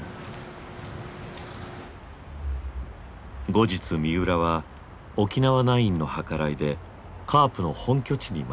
後日三浦は沖縄ナインの計らいでカープの本拠地に招かれた。